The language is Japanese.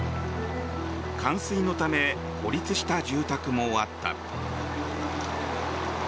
冠水のため孤立した住宅もあった。